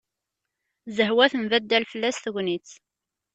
Zehwa tembaddal fell-as tegnit.